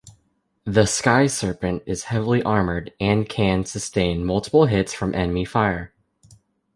The Sky Serpent is heavily armored and can sustain multiple hits from enemy fire.